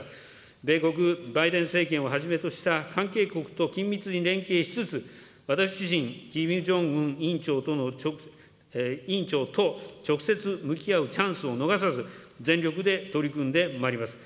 米国、バイデン政権をはじめとした関係国と緊密に連携しつつ、私自身、キム・ジョンウン委員長と直接向き合うチャンスを逃さず、全力で取り組んでまいります。